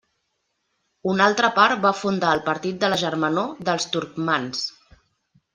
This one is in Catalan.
Una altra part va fundar el Partit de la Germanor dels Turcmans.